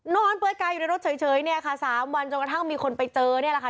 เปลือยกายอยู่ในรถเฉยเนี่ยค่ะ๓วันจนกระทั่งมีคนไปเจอนี่แหละค่ะ